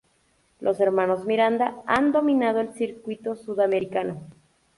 Los hermanos Miranda han dominado el circuito sudamericano.